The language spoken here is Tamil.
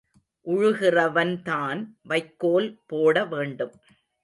உழுகிறவன்தான் வைக்கோல் போட வேண்டும்.